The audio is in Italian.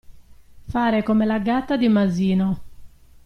Fare come la gatta di Masino.